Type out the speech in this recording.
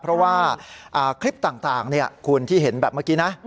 เพราะว่าคลิปต่างคุณที่เห็นแบบเมื่อกี้นะ